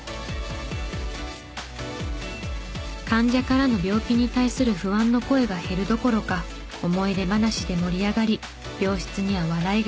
患者からの病気に対する不安の声が減るどころか思い出話で盛り上がり病室には笑いがあふれる。